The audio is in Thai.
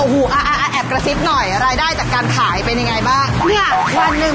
โอ้โหอัพโกซิปหน่อยรายได้จากการขายเป็นไงบ้าง